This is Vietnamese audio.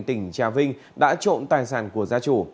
tỉnh trà vinh đã trộm tài sản của gia chủ